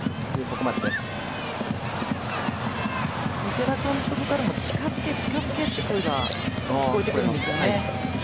池田監督からも「近づけ、近づけ」っていう声が聞こえてくるんですよね。